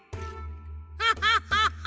ハハハハ！